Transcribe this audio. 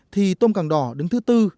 thì tôm càng đỏ đứng thứ bốn